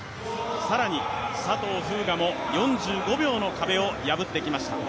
更に佐藤風雅も４５秒の壁を破ってきました。